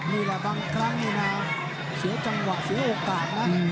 นี่แหละบางครั้งนี่นะเสียจังหวะเสียโอกาสนะ